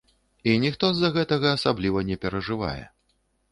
І ніхто з-за гэтага асабліва не перажывае.